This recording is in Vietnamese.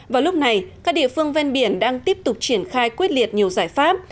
vào lúc này các địa phương ven biển đang tiếp tục triển khai quyết liệt nhiều giải pháp